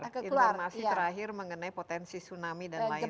dan itu keluar informasi terakhir mengenai potensi tsunami dan lain sebagainya